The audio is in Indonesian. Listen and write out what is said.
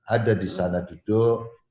ada di sana duduk